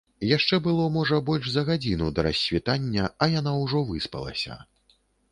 Яшчэ было, можа, больш за гадзіну да рассвітання, а яна ўжо выспалася.